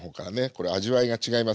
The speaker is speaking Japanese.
これ味わいが違いますから。